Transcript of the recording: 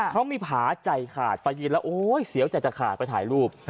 เขามีผาใจขาดไปยืนแล้วโอ๊ยเสียวใจจะขาดไปถ่ายรูป